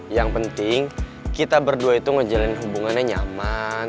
yang penting kita berdua itu ngejalin hubungannya nyaman